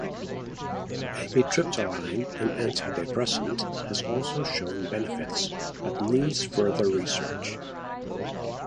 Amitriptyline, an antidepressant, has also shown benefits but needs further research.